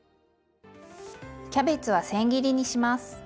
キャベツはせん切りにします。